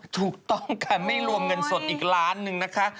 ถูกต้องค่ะไม่รวมเงินสดอีกล้านหนึ่งนะคะ